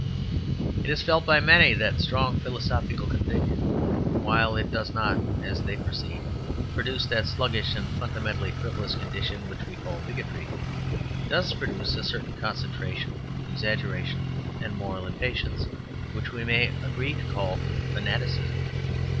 It is felt by many that strong philosophical conviction, while it does not (as they perceive) produce that sluggish and fundamentally frivolous condition which we call bigotry, does produce a certain concentration, exaggeration, and moral impatience, which we may agree to call fanaticism.